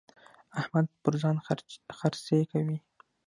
احمد پر ځان خرڅې کوي.